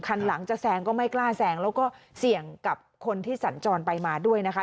คันหลังจะแซงก็ไม่กล้าแซงแล้วก็เสี่ยงกับคนที่สัญจรไปมาด้วยนะคะ